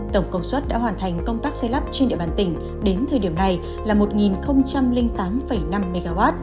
tổng công suất đã hoàn thành công tác xây lắp trên địa bàn tỉnh đến thời điểm này là một tám năm mw